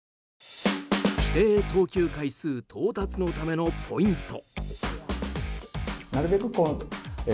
規定投球回数到達のためのポイント。